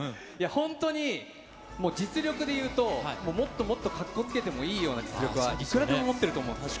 本当にもう実力で言うと、もっともっとかっこつけてもいいような実力は、いくらでも持ってると思うんですよ。